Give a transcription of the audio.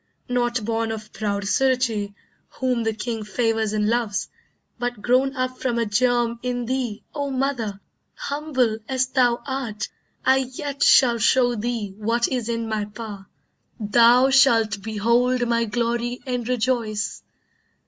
Not born of proud Suruchee, whom the king Favours and loves, but grown up from a germ In thee, O mother, humble as thou art, I yet shall show thee what is in my power. Thou shalt behold my glory and rejoice.